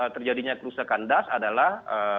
terjadinya kerusakan das adalah